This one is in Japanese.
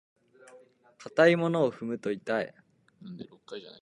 硬いものを踏むと痛い。